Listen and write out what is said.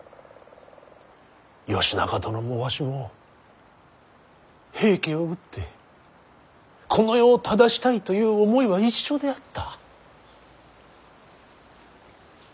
義仲殿もわしも平家を討ってこの世を正したいという思いは一緒であった。